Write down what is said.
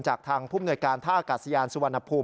จากทางภูมิหน่วยการท่าอากาศยานสุวรรณภูมิ